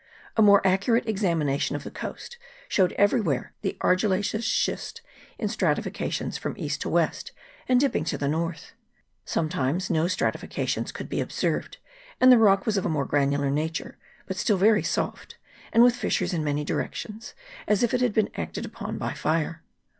A more accurate examination of the coast showed everywhere the argillaceous schist in strati fications from east to west, and dipping to the north. Sometimes no stratifications could be ob served, and the rock was of a more granular nature, but still very soft, and with fissures in many direc tions, as if it had been acted upon by fire.